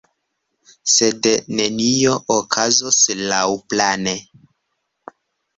Sed nenio okazos laŭplane.